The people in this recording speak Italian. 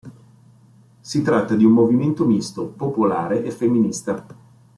Si tratta di un movimento misto, popolare e femminista.